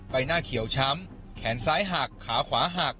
ใบหน้าเขียวช้ำแขนซ้ายหักขาขวาหัก